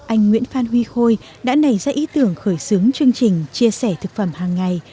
anh nguyễn phan huy khôi đã nảy ra ý tưởng khởi xướng chương trình chia sẻ thực phẩm hàng ngày